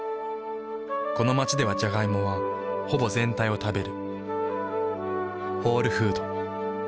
この街ではジャガイモはほぼ全体を食べる。